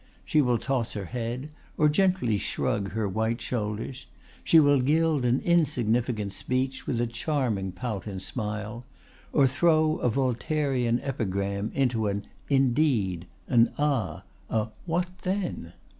She will toss her head, or gently shrug her white shoulders; she will gild an insignificant speech with a charming pout and smile; or throw a Voltairean epigram into an 'Indeed!' an 'Ah!' a 'What then!